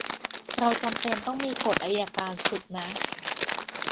เราจำเป็นต้องมีกฎอัยการศึกนะ